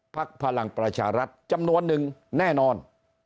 พลังประชารัฐจำนวนหนึ่งแน่นอน